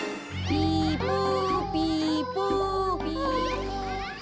ピポピポ。